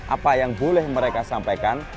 apa yang boleh mereka sampaikan